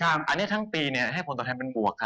อันนี้ทั้งปีให้ผลตอบแทนเป็นบวก